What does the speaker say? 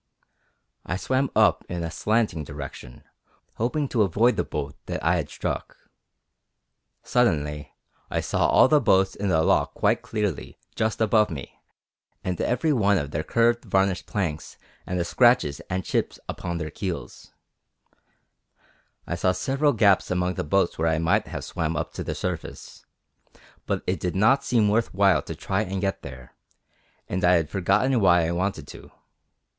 I swam up in a slanting direction, hoping to avoid the boat that I had struck. Suddenly I saw all the boats in the lock quite clearly just above me, and every one of their curved varnished planks and the scratches and chips upon their keels. I saw several gaps among the boats where I might have swam up to the surface, but it did not seem worthwhile to try and get there, and I had forgotten why I wanted to.